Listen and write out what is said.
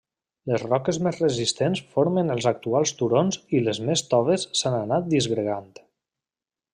Les roques més resistents formen els actuals turons i les més toves s’han anat disgregant.